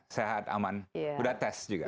sehat aman udah tes juga